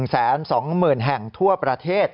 ๑แสน๒หมื่นแห่งทั่วประเทศ